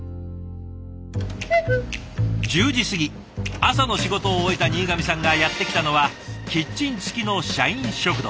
１０時過ぎ朝の仕事を終えた新上さんがやって来たのはキッチン付きの社員食堂。